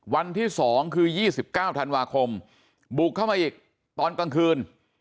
วันที่๒คือ๒๙ธันวาคมบุกเข้ามาอีกตอนกลางคืน